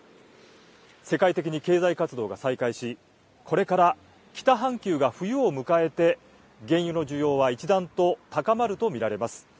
世界的に経済活動が再開し、これから北半球が冬を迎えて、原油の需要は一段と高まると見られます。